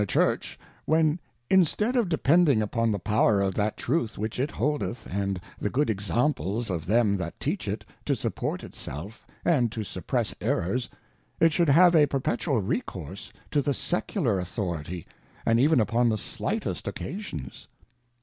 \rantoLJl£a]^^ when instead of depending upon the power of that TrutiTwhTchit holdeth, and the goodJExamples of them that teach it^ to support it self, and to suppress Errors, it should have a perpetual recourse to the secular Authority, and even upon the slightest occasions.